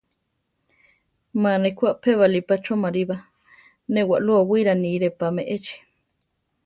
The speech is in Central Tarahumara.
Má ne ku apébali pa choʼmarí ba; né waʼlú owíra níre pa me échi.